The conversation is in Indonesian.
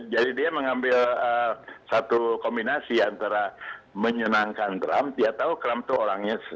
jadi dia mengambil satu kombinasi antara menyenangkan trump dia tahu trump itu orangnya